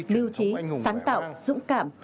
lưu trí sáng tạo dũng cảm